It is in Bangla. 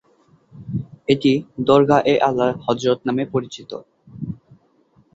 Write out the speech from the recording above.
এটি দরগাহ-এ-আলা হযরত নামে পরিচিত।